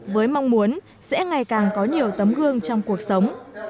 với mong muốn sẽ ngày càng có nhiều tấm gương trong cuộc sống